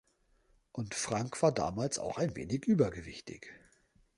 Und Frank war damals auch ein wenig übergewichtig.